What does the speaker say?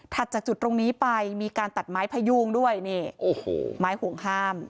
จากจุดตรงนี้ไปมีการตัดไม้พยุงด้วยนี่โอ้โหไม้ห่วงห้าม